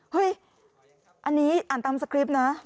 เฮ้ยอันนี้อ่านตามสคริปต์นะ